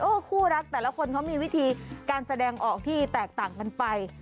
คู่รักแต่ละคนเขามีวิธีการแสดงออกที่แตกต่างกันไป